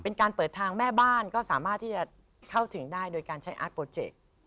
เป็นการเปิดทางแม่บ้านก็สามารถที่จะเข้าถึงได้โดยการใช้อาร์ตโปรเจกต์